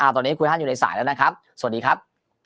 ตอนนี้คุณท่านอยู่ในสายแล้วนะครับสวัสดีครับ